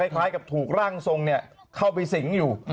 คล้ายกับถูกร่างทรงเข้าไปสิงอยู่